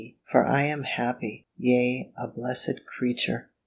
For I am a happy, yea, a blessed creature!